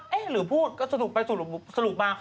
เอ๊ะหรือภูตรก็สรุปสรุปมา